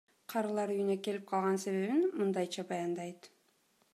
Карылар үйүнө келип калган себебин мындайча баяндайт.